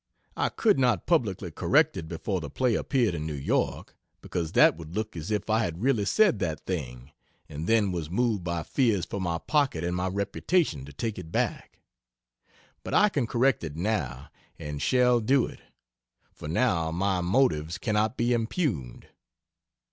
I could not publicly correct it before the play appeared in New York, because that would look as if I had really said that thing and then was moved by fears for my pocket and my reputation to take it back. But I can correct it now, and shall do it; for now my motives cannot be impugned.